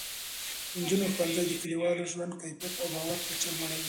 د نجونو ښوونځی د کلیوالو ژوند کیفیت او د باور کچه لوړوي.